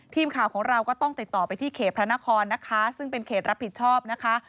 ทีมข่าวของเราก็ต้องติดต่อไปที่เขตพระนครนะคะซึ่งเป็นเขตรับผิดชอบนะคะ